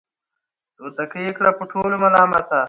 توتکۍ یې کړه په ټولو ملامته